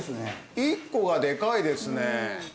１個がでかいですね。